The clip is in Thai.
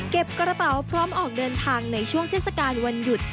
กระเป๋าพร้อมออกเดินทางในช่วงเทศกาลวันหยุด